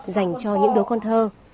dành cho những đứa con thơ